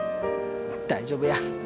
大丈夫や。